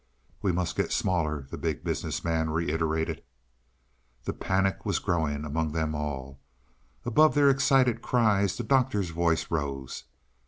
"We must get smaller!" the Big Business Man reiterated. The panic was growing among them all. Above their excited cries the Doctor's voice rose.